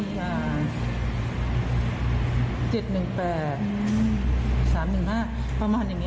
อายุด้วยหรือเปล่าใช่มั้ยคะคุณแม่